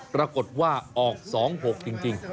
ปรากฏว่าออก๒๖จริง